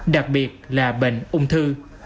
đặc biệt là bệnh ung thư